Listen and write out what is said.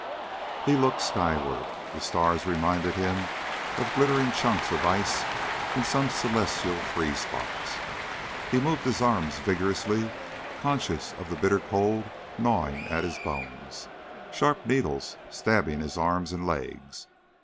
He looked skyward. The stars reminded him of glittering chunks of ice in some celestial freezebox. He moved his arms vigorously, conscious of the bitter cold gnawing at his bones sharp needles stabbing his arms and legs.